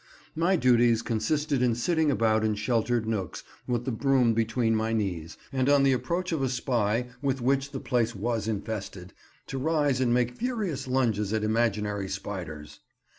My duties consisted in sitting about in sheltered nooks with the broom between my knees, and on the approach of a spy, with which the place was infested, to rise and make furious lunges at imaginary spiders.